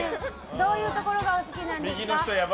どういうところがお好きなんですか。